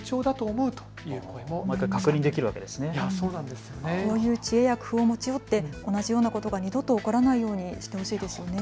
こういう知恵や工夫を持ち寄って同じようなことが二度と起こらないようにしてほしいですよね。